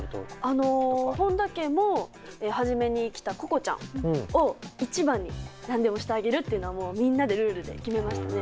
あの本田家も初めに来たＣｏＣｏちゃんを一番に何でもしてあげるっていうのはもうみんなでルールで決めましたね。